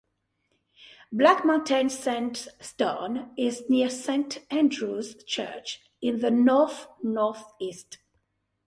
Black Mountain Sandstone is near Saint Andrew's church in the north north east.